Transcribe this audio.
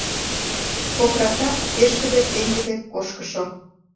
Кокрака — пешкыде, пеҥгыде, кошкышо.